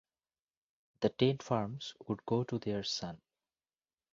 The ten farms would go to their son.